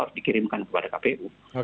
harus dikirimkan kepada kpu